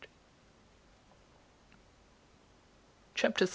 CHAPTER 13.